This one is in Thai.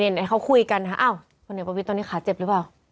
ไหนเขาคุยกันนะอ้าวพลเอกประวิทย์ตอนนี้ขาเจ็บหรือเปล่า